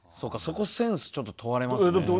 そこセンスちょっと問われますね。